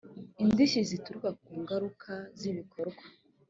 indishyi zituruka ku ngaruka z ibikorwa